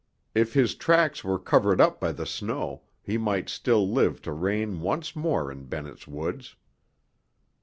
If his tracks were covered up by the snow, he might still live to reign once more in Bennett's Woods.